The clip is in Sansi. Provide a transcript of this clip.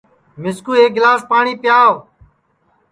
مِسکُو ایک گِلاس پاٹؔی پیاو